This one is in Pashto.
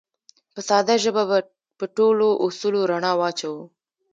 په ساده ژبه به په ټولو اصولو رڼا واچوو